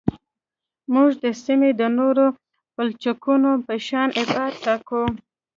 موږ د سیمې د نورو پلچکونو په شان ابعاد ټاکو